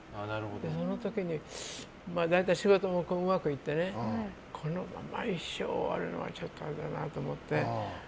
その時に仕事もうまくいってこのまま一生終わるのはちょっとあれだなと思って。